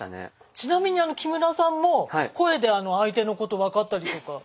ちなみに木村さんも声で相手のこと分かったりとか。